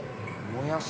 もやし。